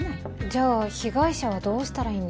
じゃあ被害者はどうしたらいいんですか？